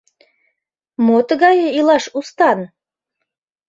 Мо тыгае илаш устан?